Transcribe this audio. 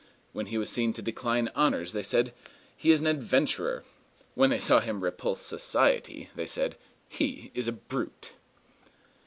When he was seen to decline honors, they said, "He is an adventurer." When they saw him repulse society, they said, "He is a brute."